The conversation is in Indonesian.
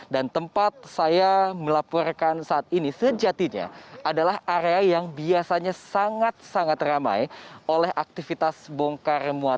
dan tempat saya melaporkan saat ini sejatinya adalah area yang biasanya sangat sangat ramai oleh aktivitas bongkar muat